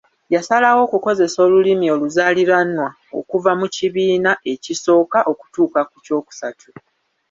Yasalawo okukozesa Olulimi oluzaaliranwa okuva mu kibiina ekisooka okutuuka ku kyokusatu.